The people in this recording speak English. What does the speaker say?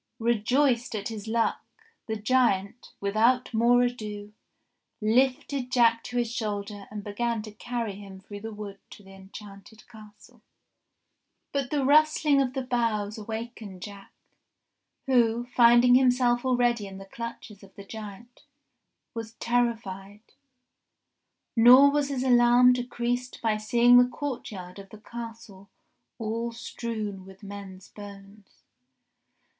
Rejoiced at his luck the giant, without more ado, lifted Jack to his shoulder and began to carry him through the wood to the enchanted castle. But the rustling of the boughs awakened Jack, who, find ing himself already in the clutches of the giant, was terrified ; nor was his alarm decreased by seeing the courtyard of the Castle all strewn with men's bones.